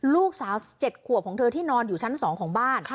ลูกสาว๗ขวบของเธอที่นอนอยู่ชั้น๒ของบ้าน